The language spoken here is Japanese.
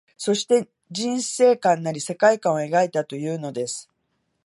そして、人世観なり世界観を描いたというのです